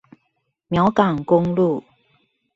苗港公路